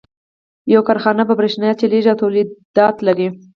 يوه کارخانه په برېښنا چلېږي او توليدات لري.